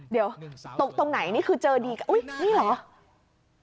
เดี๋ยวตกตรงไหนนี่คือเจอดีก็อุ๊ยนี่เหรอ